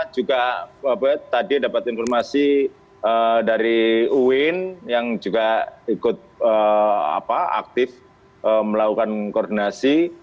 juga tadi dapat informasi dari uin yang juga ikut aktif melakukan koordinasi